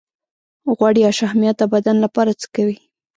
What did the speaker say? غوړ یا شحمیات د بدن لپاره څه کوي